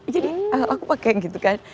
jadi aku pakai gitu kan